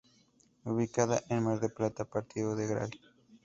Ubicada en Mar del Plata, Partido de Gral.